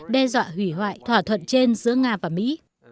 đe dọa hủy hoại thỏa thuận trên giữa nga và mỹ